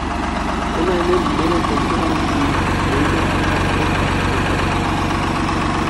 Hona hemen bere tontorraren klima, mediterraneo hotza sailkatuta.